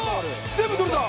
全部取れた！